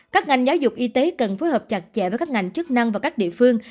các ngành giáo dục y tế cần phối hợp chặt chẽ với các ngành chức năng và các địa phương